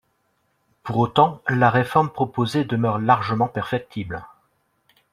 Pour autant, la réforme proposée demeure largement perfectible.